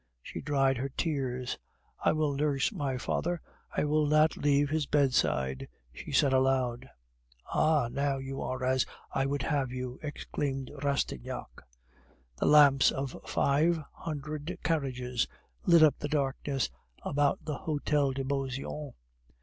She dried her tears. "I will nurse my father; I will not leave his bedside," she said aloud. "Ah! now you are as I would have you," exclaimed Rastignac. The lamps of five hundred carriages lit up the darkness about the Hotel de Beauseant.